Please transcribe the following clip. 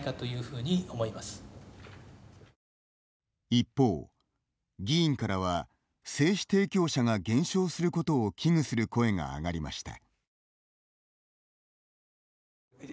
一方、議員からは精子提供者が減少することを危惧する声があがりました。